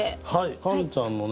カンちゃんのね